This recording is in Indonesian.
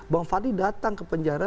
bang fadli datang ke penjara